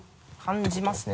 感じますね